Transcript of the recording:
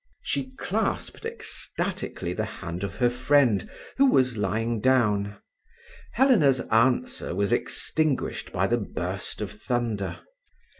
She clasped ecstatically the hand of her friend, who was lying down. Helena's answer was extinguished by the burst of thunder.